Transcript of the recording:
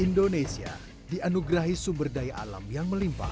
indonesia dianugerahi sumber daya alam yang melimpah